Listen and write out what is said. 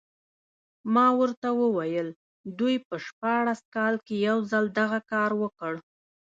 ما ورته وویل دوی په شپاړس کال کې یو ځل دغه کار وکړ.